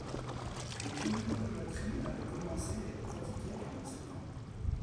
Les premières idolâtries avaient commencé à être pratiquées pendant ces temps.